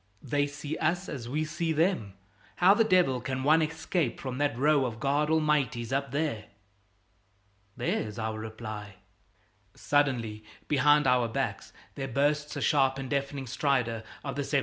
"They see us as we see them. How the devil can one escape from that row of God Almighties up there?" There's our reply! Suddenly, behind our backs, there bursts the sharp and deafening stridor of the 75's.